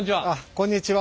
こんにちは。